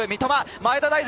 前田大然！